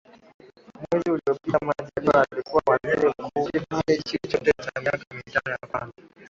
mwezi uliopitaMajaliwa alikuwa Waziri Mkuu katika kipindi chote cha miaka mitano ya kwanza